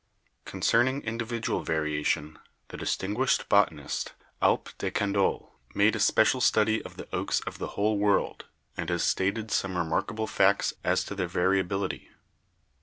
Concerning individual variation, the distinguished bota nist, Alp. de Candolle, made a special study of the oaks of FACTORS OF EVOLUTION— SELECTION 193 the whole world and has stated some remarkable facts as to their variability.